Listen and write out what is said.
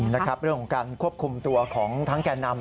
เรื่องของการควบคุมตัวของทั้งแก่นำ